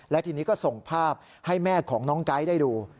และทีนี้ก็ส่งภาพให้แม่ของน้องไก๊ได้ดู